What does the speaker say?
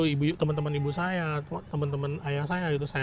tapi ya itu teman teman ibu saya teman teman ayah saya ya itu